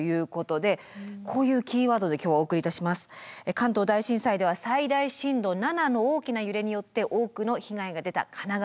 関東大震災では最大震度７の大きな揺れによって多くの被害が出た神奈川県。